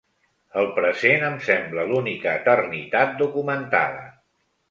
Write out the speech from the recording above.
El present em sembla l'única eternitat documentada.